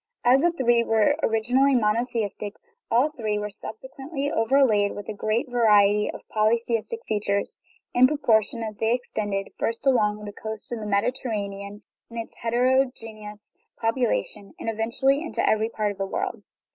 All the three were originally monotheistic ; all three were sub sequently overlaid with a great variety of polytheistic features, in proportion as they extended, first along the coast of the Mediterranean with its heterogeneous population, and eventually into every part of the world.